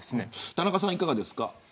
田中さんはいかがですか。